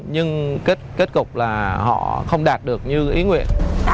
nhưng kết cục là họ không đạt được như ý nguyện